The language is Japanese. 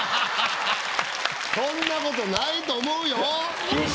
そんなことないと思うよ。